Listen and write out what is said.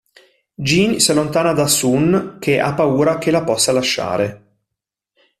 Jin si allontana da Sun, che ha paura che la possa lasciare.